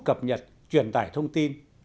cập nhật truyền tải thông tin